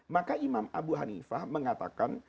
maka imam abu hanifah mengatakan